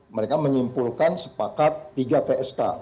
mereka menyimpulkan sepakat tiga tsk